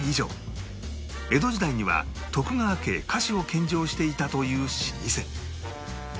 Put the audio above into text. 江戸時代には徳川家へ菓子を献上していたという老舗